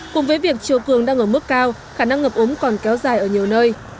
cùng với việc chiều cường đang ở mức cao khả năng ngập ống còn kéo dài ở nhiều nơi